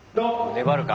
粘るか？